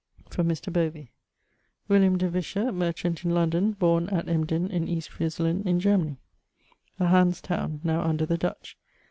= From Mr. Bovey: William de Visscher, merchant in London, borne at Emden in East Frisland in Germany, a Hans towne now under the Dutch.